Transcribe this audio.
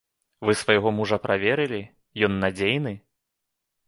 Вы свайго мужа праверылі, ён надзейны?